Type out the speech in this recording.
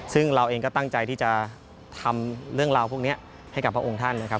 ซึ่งเราเองก็ตั้งใจที่จะทำเรื่องราวพวกนี้ให้กับพระองค์ท่านนะครับ